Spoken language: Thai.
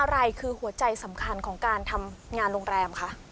อะไรคือหัวใจสำคัญของการทำงานโรงแรมคะ